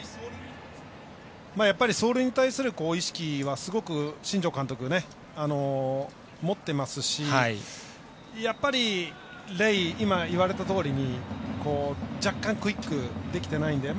走塁に対する意識はすごく新庄監督持ってますしレイ、今言われたとおりに若干、クイックできてないので。